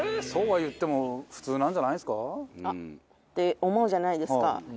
そうは言っても普通なんじゃないですか？って思うじゃないですか。